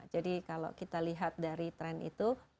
jadi kalau kita lihat dari trend itu